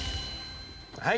はい。